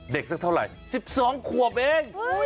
สักเท่าไหร่๑๒ขวบเอง